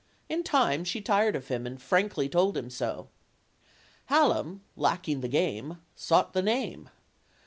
In time she tired of him and frankly told him so. Hallam, lacking the game, sought the name.